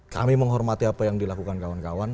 kami menghormati apa yang dilakukan kawan kawan